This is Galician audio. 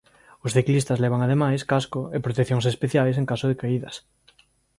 Os ciclistas levan ademais casco e proteccións especiais en caso de caídas.